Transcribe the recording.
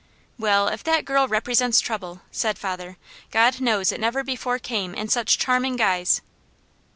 "Well, if that girl represents trouble," said father, "God knows it never before came in such charming guise."